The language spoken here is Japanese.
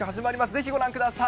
ぜひご覧ください。